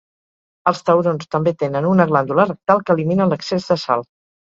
Els taurons també tenen una glàndula rectal que elimina l'excés de sal.